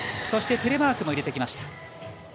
そしてテレマークも入れてきました。